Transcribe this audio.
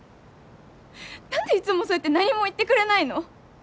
なんでいつもそうやって何も言ってくれないの？